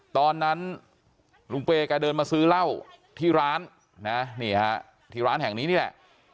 ตอนนั้นลุงเปย์แกเดินมาซื้อเหล้าที่ร้านนะนี่ฮะที่ร้านแห่งนี้นี่แหละ